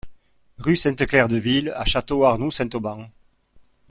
Rue Sainte-Claire Deville à Château-Arnoux-Saint-Auban